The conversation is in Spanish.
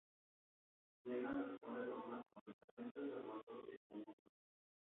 Negan responde con una sonrisa: "No estás salvando este mundo, Rick.